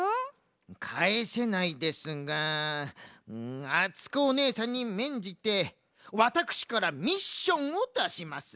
かえせないですがあつこおねえさんにめんじてワタクシからミッションをだします。